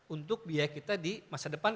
untuk biaya kita di masa depan